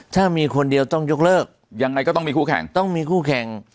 ถ้ามีคนเดียวต้องยกเลิกยังไงก็ต้องมีคู่แข่ง